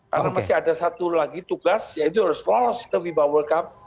karena masih ada satu lagi tugas yaitu harus lolos ke viva world cup